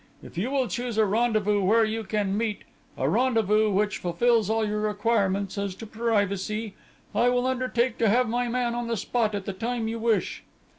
If you will choose a rendezvous where you can meet, a rendezvous which fulfills all your requirements as to privacy, I will undertake to have my man on the spot at the time you wish."